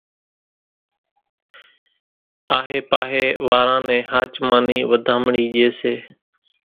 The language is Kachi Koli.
آھي پاھي واران نين ۿاچمان ني وڌامڻي ڄي سي